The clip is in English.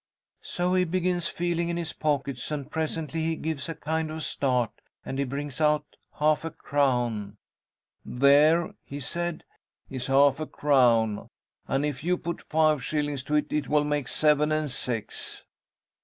"So he begins feeling in his pockets, and, presently, he gives a kind of a start, and he brings out half a crown. 'There,' he said, 'is half a crown; and if you put five shillings to it, it will make it seven and six!'